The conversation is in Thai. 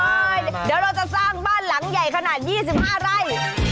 เดี๋ยวเราจะสร้างบ้านหลังใหญ่ขนาด๒๕ไร่